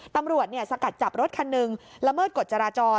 ตำรวจสกัดจับรถคันหนึ่งละเมิดกฎจราจร